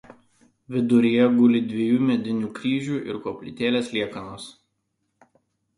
Viduryje guli dviejų medinių kryžių ir koplytėlės liekanos.